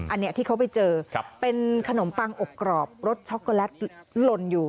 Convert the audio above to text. อันนี้ที่เขาไปเจอเป็นขนมปังอบกรอบรสช็อกโกแลตหล่นอยู่